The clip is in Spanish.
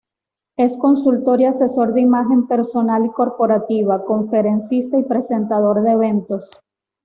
Es consultor y asesor de imagen personal y corporativa, conferencista y presentador de eventos.